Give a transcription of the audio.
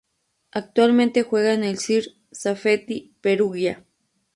Actualmente juega en el Sir Safety Perugia.